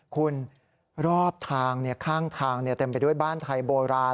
คุณรอบทางข้างทางเต็มไปด้วยบ้านไทยโบราณ